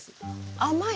甘い？